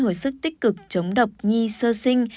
hồi sức tích cực chống độc nhi sơ sinh